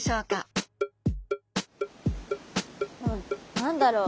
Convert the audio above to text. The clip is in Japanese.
何だろう？